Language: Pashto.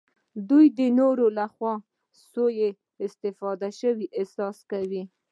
دوی د نورو لخوا سوء استفاده شوي احساس کوي.